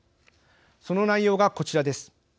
その内容がこちらです。